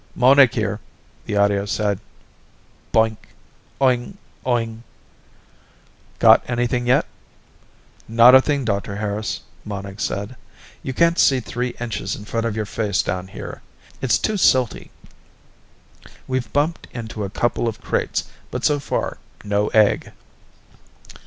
"Monig here," the audio said. Boink ... oing, oing ... "Got anything yet?" "Not a thing, Dr. Harris," Monig said. "You can't see three inches in front of your face down here it's too silty. We've bumped into a couple of crates, but so far, no egg."